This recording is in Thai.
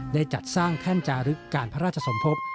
ได้จัดสร้างแท่นจารึกการพระราชสมภพ